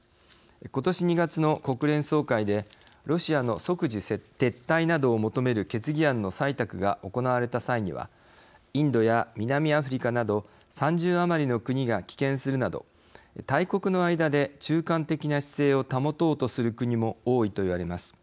今年２月の国連総会でロシアの即時撤退などを求める決議案の採択が行われた際にはインドや南アフリカなど３０余りの国が棄権するなど大国の間で中間的な姿勢を保とうとする国も多いといわれます。